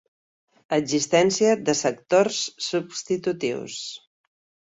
Existència de sectors substitutius.